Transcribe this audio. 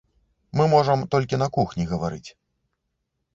Мы можам толькі на кухні гаварыць.